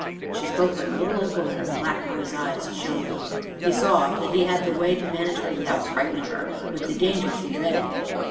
She spoke like a little old woman and the black boy's eyes shone. He saw that he had the way to manage her without frightening her with the dangers he dreaded.